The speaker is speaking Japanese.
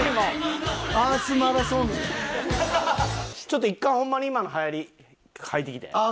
ちょっと一回ホンマに今の流行りはいてきて。